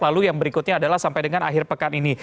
lalu yang berikutnya adalah sampai dengan akhir pekan ini